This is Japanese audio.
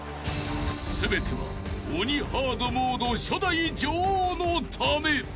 ［全ては鬼ハードモード初代女王のため］